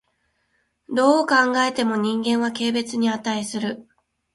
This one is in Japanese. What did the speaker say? どう考えても人間は軽蔑に価する。